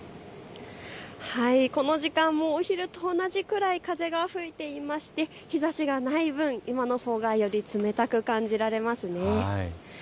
この時間もお昼と同じぐらい風が吹いていまして日ざしがない分、今のほうがより冷たく感じられますね。